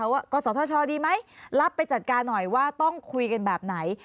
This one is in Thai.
ว่ากศธชดีไหมรับไปจัดการหน่อยว่าต้องคุยกันแบบไหน